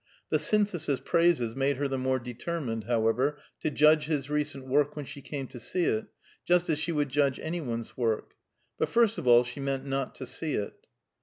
The Synthesis praises made her the more determined, however, to judge his recent work when she came to see it, just as she would judge any one's work. But first of all she meant not to see it.